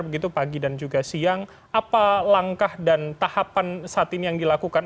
begitu pagi dan juga siang apa langkah dan tahapan saat ini yang dilakukan